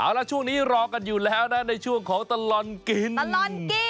เอาละช่วงนี้รอกันอยู่แล้วนะในช่วงของตลอดกินตลอดกิน